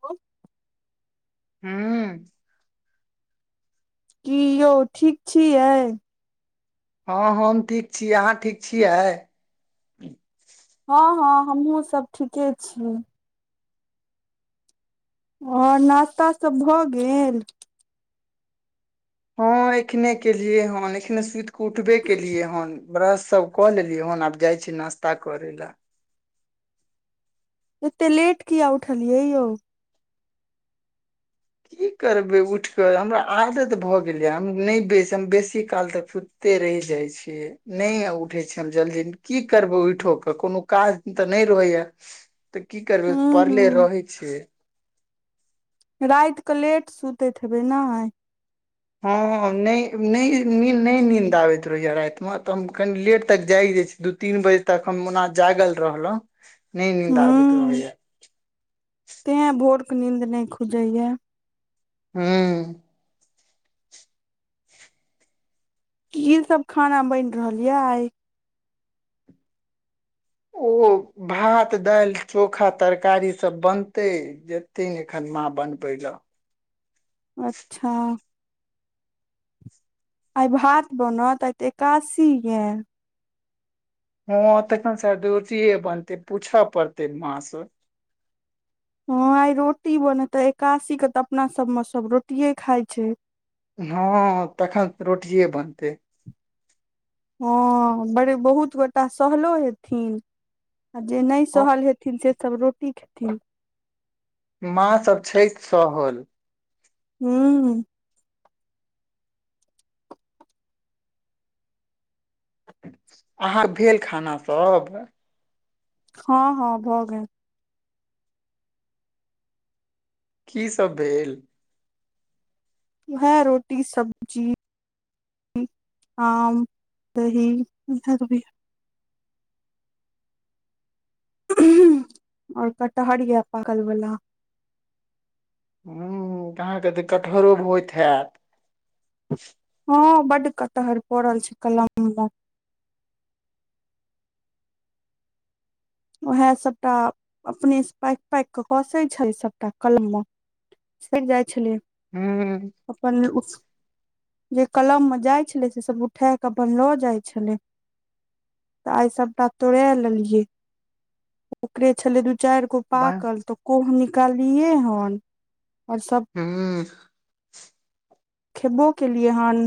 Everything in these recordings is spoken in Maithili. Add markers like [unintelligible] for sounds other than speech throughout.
हो ह्म कियौ ठीक छियै हँ हम ठीक छी अहाँ ठीक छियै हँ हँ हमहुँ सब ठीके छी और नास्ता सब भए गेल हँ एखने केलियए हन एखने सुति क उठबे केलियए हन ब्रश सब कऽ लेलियौ हन आब जाइ छी नास्ता करे लए एते लेट किया उठलियै यौ की करबै उठि कऽ हमरा आदत भऽ गेलै हम नहि बेच हम बेसी काल तक सूत ते रैह जाइ छै नहि उठै छी हम जल्दी की करबौ उठोक के कोनो काज तऽ नइ रहैया तऽ की करबै हूँ पड़ले हूँ रहै छियै राइत कऽ लेट सुतैत हेबै नइ हँ नहि नहि निंद नहि नींन्द आबैत रहैय राइतमे तऽ हम कनि लेट तक जाय जा छी दू तीन बजे तक हम ओना जागल रहलहुं नहि नींन्द आबैत हूँ रहेये तें भोर के नींद नहि खुजे ये ह्म की सब खाना बनि रहल ये आइ ओ भात दाइल चोखा तरकारी सब बनतै जेते ने एखन माँ बन बै ल अच्छा आइ भात बनत आइते एकादशी ये हँ तखन स रूटिये बनतै पूछऽ पड़ते माँ सअ हँ आइ रोटी बनेते एकादशी के तऽ अपना सबमे सब रोटिये खाय छै हँ तखन रोटए बनतै हँ बड़े बहुत गोटा सहलो हेथिन आ जे नहि हँ सहल हेथिन सेसभ रोटी खेथिन माँ सब छै सहल ह्म अहाँ भेल खाना सब हँ हँ भऽ गेल की सब भेल उहै रोटी सब्जी आम दही इहे त भेल आओर कटहर यै पाकलवला हऽ अहाँके तऽ कटहरो होइत हैत हँ बड कटहर पड़ल छै कलम मे उएह सबटा अपने से पाकि पाकि केऽ कसे छै सबटा कलम मँ सरि जाइ छलियै हूं अपन उस जे कलम मे जाइ छले से सब उठा के अपन लो जाइ छले तऽ आइ सबटा तोड़े लेलियै ओकरे छलै दू चारि गो बन पाकल तऽ कोह निकालियै हन आओर सब हूँ खेबो के लिए हन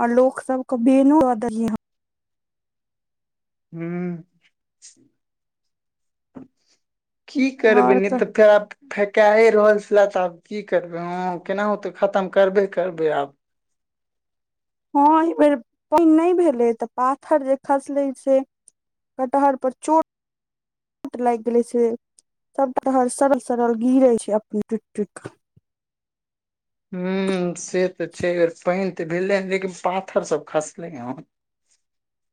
आओर लोक सबके बैनो द दिलियेहन हू की हन करबै और नहि तऽ केप फेकाए रहल छलै तऽ आब की करबै हँ केनाहुते खतम करबे करबै आब हँ एहि बेर पानि नहि भेलै तऽ पाथर जे खसलै से कटहर पर चोट चोट लागि गेले से सब सड़ल सड़ल गिरे छै अपनने टुटि टुटि कऽ हूं से तऽ छै बेर पानि तऽ भेलै ह लेकिन पाथर सब खसलै हन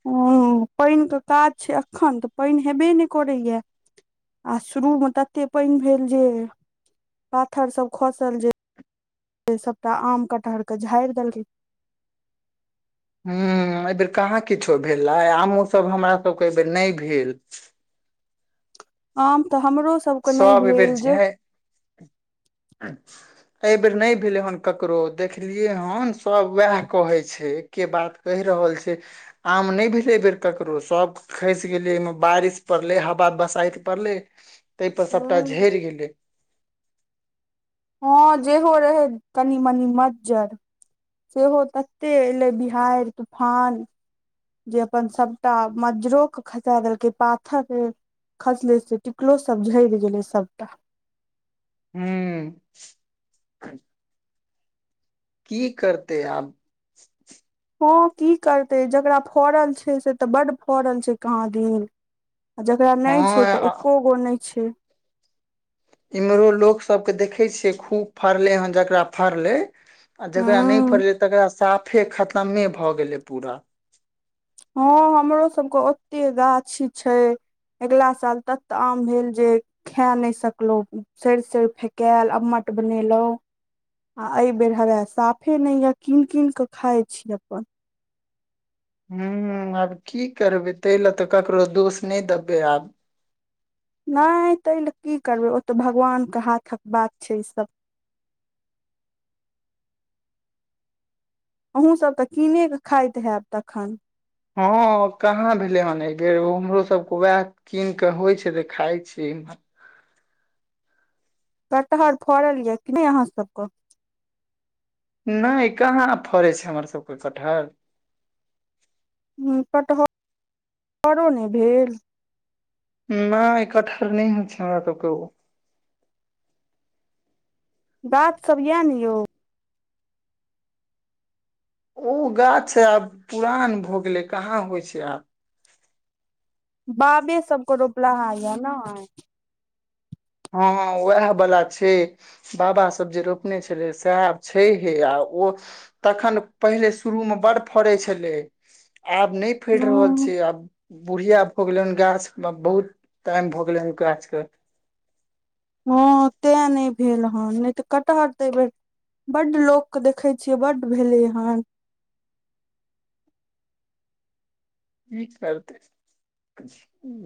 हूँ पानिके काज छै एखन तऽ पानि हेबे नहि करैएा आ शुरू मे तते पानि भेल जे पाथर सब खसल जे से सबटा आम कटहर के झाड़ि देलै ह एहि बेेर कहाँ किछो भेल आमोसभ हमरा सभके एहि बेेर नहि भेल आम तऽ हमरो सबके नहि सब ए बेर भेल झ जे अच्छा एहि बेेर नहि भेले हन ककरो देखलियै हन सब वएह कहे छै के बात कहि रहल छै आम नहि भेले एहि बेर ककरो सब खसि गेलियै ओहिमे बारिश पड़ले हवा बसाायत पड़ले ताहिपर सभटा झड़ि गेलै हँ जेहो रहै तनी मनी मज्जर सेहो तते एलै बिहार तूफान जे अपन सभटा मज्जरोके खसा देलकै पाथर खसले से टिकलो सब झड़ि गेलै सबटा हू की करतेै आब हँ की करतै जकरा फड़ल छै से तऽ बड्ड फड़ल छै कहाँ दिन आ जेकरा नहि छै हँ तऽ एको गो नहि छै इम्हरो लोक सब के देखे छिय खूब फरले हन जेकरा फड़ले आ जकरा नहि हूँ फड़लै तकरा साफे खतमे भऽ गेलै पूरा हँ हमरो सबके ओते गाछी छै अगिला साल तत तऽ आम भेल जे खा नहि सकलहुँ सड़ सड़ फेकायल अ्मट बनेलहुँ आ एहि बेर हवा साफे नहि य कीन कीन कऽ खााय छी अपन हू आब की करबै ताहि लए तऽ ककरो दोष नहि देबै आब नहि ताहि ल की करबै ओ तऽ भगवानके हाथक बात छै ईसभ अहुूँ सब तऽ कीनेके खाइत हैब तखन हँ कहाँ भेलै हन बेर हमरो सबक उएह कीन कऽ होइ छै तऽ खााय छीह कटहर फड़ल यऽ कि नहि अहाँ सबक नहि कहाँ फड़ै छै हमर सब के कटहल ह कटहर हरो नहि भेल न एकठार नहि हो छै हमरा औतऽ गाछ सब या ने यौ ओ गाछ आब पुरान भ गेलै कहाँ होइ छै आब बाबे सबके रोपला है या न हँ उएह बला छै बाबा सभ जे रोपने छलै सेहा छैहे आ ओ तखन पहिले शुरू मे बड़ फड़े छलै आब नइ फेर रहल ह छै आब बुढ़िया भ गेले हन गाछ मे बहुत टाइम भ गेले ह गाछ क हँ तैय नइ भेल हन नइ तऽ कटहर तऽ एहि बेर बड्ड लोक के देखे छियै बड्ड भेले हन कि करतै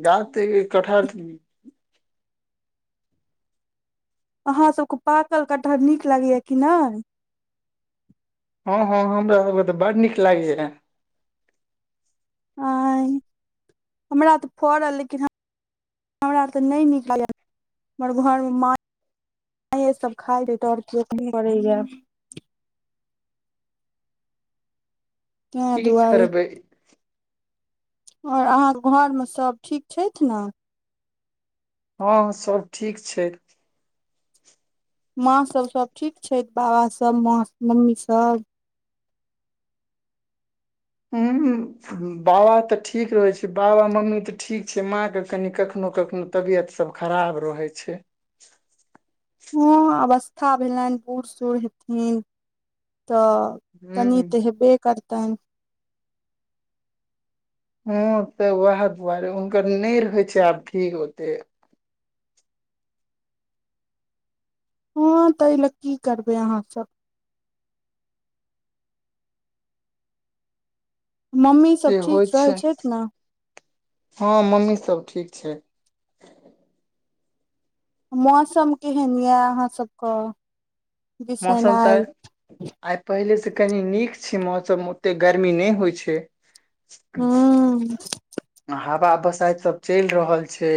गाछ तऽ एहिबेर कटहर अहाँसभ कऽ पाकल कटहर नीक लागैए यऽ कि नाइ हँ हँ हमरा सबके तऽ बड़ नीक लागैए आय हमरा तऽ फड़ल लेकिन हमरा तऽ नहि नीक लागल हमर घर म माँ हे सब खाय दे तँ [unintelligible] ताहि की दुआरे करबै और अहाँ क घर म सब ठीक छैथ न हँ सब ठीक छै माँ सब सब ठीक छैथ बाबा सब माँ मम्मी सब हुँ बाबा तऽ ठीक रहै छै बाबा मम्मी तऽ ठीक छै माँ के कनि कखनो कखनो तबियत सब खराब रहै छै हँ अवस्था भेलैन बूढ़ सूढ़ हेथिन तऽ हूँ कनी ते हेबे करतैन हँ तऽ उएह दुआरे हुनकर नइ रहै छै आब ठीक ओते हँ तहि लऽ की करबै अहाँ सब मम्मी जे सब ठीक होइ रहै छै छथि ने हँ मम्मी सब ठीक छै मौसम केहन यए अहाँ सब कऽ मौसम तऽ आइ पहिले से कनी नीक छै मौसम ओते गर्मी नहि होइ छै हूँ आ हवा बसैइत सब चलि रहल छै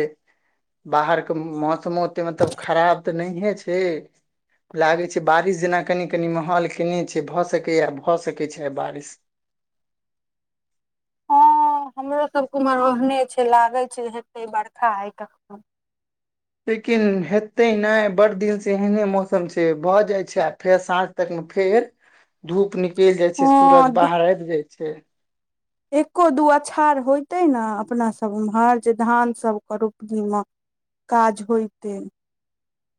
बाहर कऽ मौसमो तेऽ मऽ तऽ मतलब खराब तऽ नहिए छै लागे छै बारिश जेना कनि कनि माहौल केने छै भऽ सकैय यऽ भऽ सकैय छै आई बारिश हँ हमरो अरके उम्हर ओहने छै लागैय छै हेतै बरखा आइ कखनो लेकिन हेते नहि बड़ दिन से ऐहने मौसम छै भऽ जाय छै आ फेर साँझ तक मे फेर धूप निकलि जाय छै सूरज हँ बाहर आबि जाय छै एक्को दू अछाड़ होइतै न अपना सभ उम्हर जे धान सभ कऽ रोपनी म काज होइ तै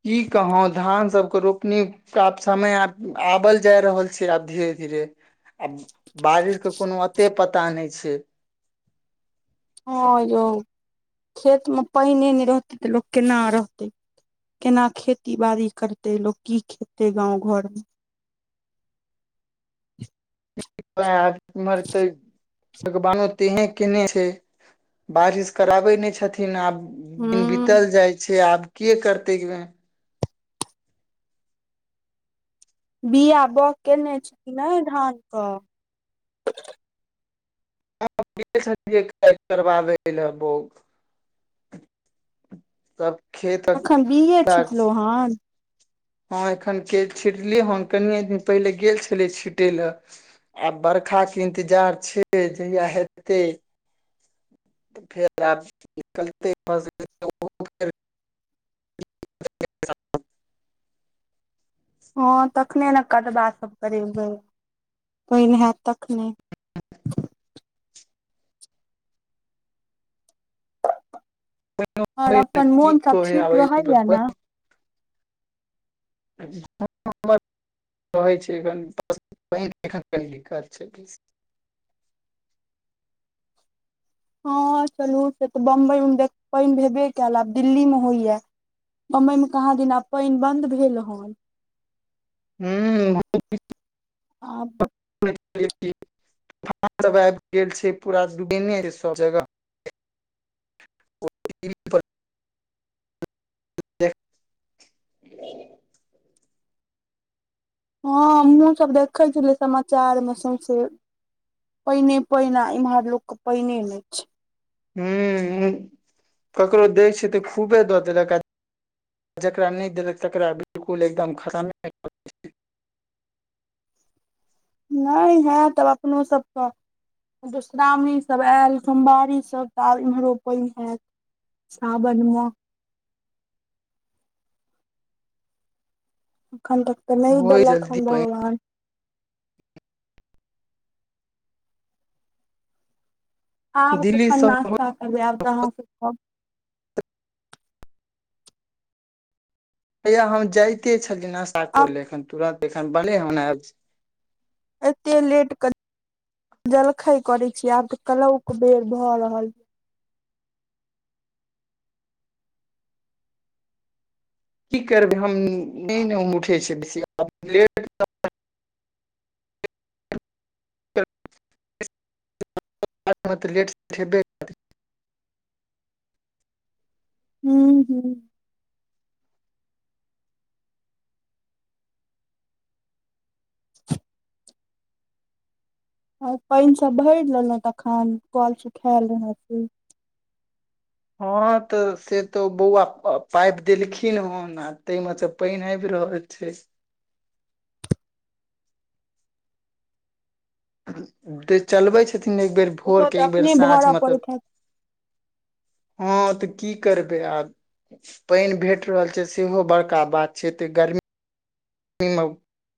की कहु धान सबके रोपनी कऽ आब समय आबल जा रहल छै आब धीरे धीरे आब बारिश कऽ कोनो अते पता नहि छै हँ यौ खेत मऽ पाईन नइ रहते तऽ लोक केना रहते केना खेती बाड़ी करते लोक की खेते गाँंव घर मे वेह इम्हर तऽ भागवानो तेहैने कने छै बारिश कराबइ नइ छथिन आब दिन हूँ बितल जाइ छै आब के करतै बिआ बाउग केने छी कि नइ धान कऽ [unintelligible] करबाबै लए बोग तब एखन बिये छिटलो हन हँ एखन के छिटलियै हन कनिए दिन पहिले गेल छलियै छिटय लऽ आब बरखाक के इंतजार छै जहिया हेतै फेर आब निकलते मद [unintelligible] हँ तखने ने कदबा सब करेबै पाइन हैत तखने और अपन की मोन सब कहै ठीक रहैये ने हँ बस रहै छै एखन पाइन के दिक्कत छै तैसे हँ चलू से तऽ बम्बई मे देख पाइन भेबे कयल आब दिल्ली मे होइया बम्बई मे कहाँ दिन आब पानि बन्द भेल हन हूँ आब तऽ बाढ़ि सब आबि गेल छै पूरा डुबेने छै सब जगह [inaudible] हँ हमहूँ सब देखै छेलियै समाचारमे सौंसे पाइने पाइन आ इम्हर लोक के पाइने नहि छै हूँ ककरो दै छै तऽ खूबे दऽ देलक जकरा नै देलक तकरा बिल्कुल एकदम खतमे नै हँ तब अपनो सबके मधुश्रावणी सभ आयल सोमवारी सभ तऽ आब इम्हरो पाइन होयत सावन मे अखन तक तऽ नै होइ देलक जल्दी हन पानि भगवान आब दिल्ली कखन सब नास्ता करबै आब तऽ अहाँ सब खेब हैये हम जाइते छलियै नस्ता करै आब ले एखन तुरन्त एखन बनले हन एते लेट के जलखै करै छी आब तऽ कलौ के बेर भऽ रहल की करबै हम नहि नहि हम उठै छ बेसी लेट [unintelligible] तऽ लेट हेबे [unintelligible] हूम्म हूम्म आओर पाइन सब भरि लेलहुँ तखन कल सुखायल रहै से हँ तऽ से तऽ बौआ पाइप देलखिन हन आ ताइमे से पाइन आबि रहल छै जे चलबै छथिन एकबेर ओहो भोरके तऽ एकबेर अपने साँझ भरऽ मतलब पड़ैत हैत हँ तऽ की करबै आब पानि भेट रहल छै सेहो बड़का बात छै एतेऽ गर्मी